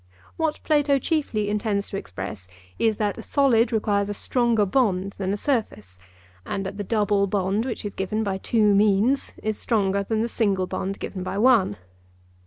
What Plato chiefly intends to express is that a solid requires a stronger bond than a surface; and that the double bond which is given by two means is stronger than the single bond given by one.